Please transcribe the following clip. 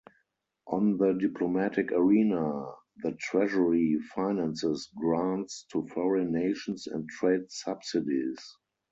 On the Diplomatic arena the treasury finances grants to foreign nations and trade subsidies.